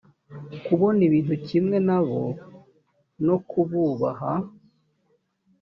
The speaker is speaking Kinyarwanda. kubona ibintu kimwe na bo no kububaha